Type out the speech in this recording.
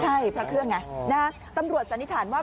ใช่พระเครื่องไงนะฮะตำรวจสันนิษฐานว่า